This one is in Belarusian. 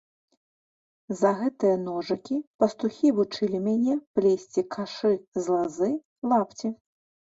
За гэтыя ножыкі пастухі вучылі мяне плесці кашы з лазы, лапці.